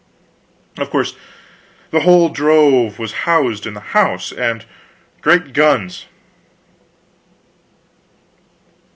Of course, the whole drove was housed in the house, and, great guns!